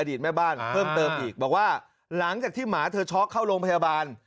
แม่บ้านเพิ่มเติมอีกบอกว่าหลังจากที่หมาเธอช็อกเข้าโรงพยาบาล